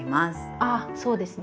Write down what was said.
あっそうですね。